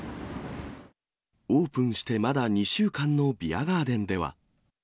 オープンしてまだ２週間のビアガーデンでは。